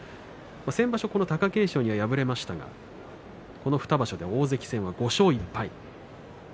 先場所この貴景勝には敗れましたがこの２場所で大関戦は５勝１敗。